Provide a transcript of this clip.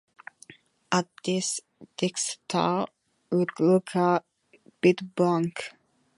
At this Dexter would look a bit blank.